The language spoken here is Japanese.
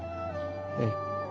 ええ。